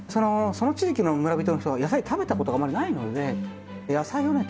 その地域の村人の人は野菜食べたことがあまりないので野菜をね